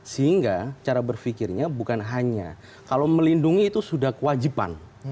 sehingga cara berpikirnya bukan hanya kalau melindungi itu sudah kewajiban